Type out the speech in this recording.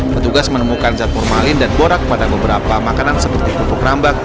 petugas menemukan zat formalin dan borak pada beberapa makanan seperti pupuk rambak